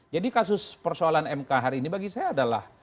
jadi kasus persoalan mk hari ini bagi saya adalah